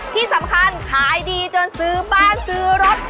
ที่สำคัญขายดีจนซื้อบ้านซื้อรถ